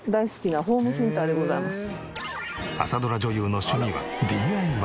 朝ドラ女優の趣味はＤＩＹ。